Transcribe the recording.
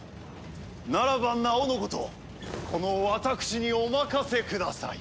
ならばなおのことこの私にお任せください。